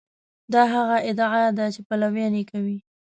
دا هغه ادعا ده چې پلویان یې کوي.